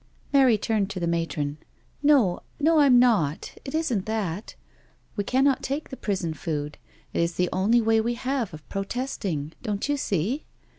Mary turned to the matron: " No, no, I'm not— it isn't that— we cannot take the prison food. It is the only way we have of protesting —don't you see?"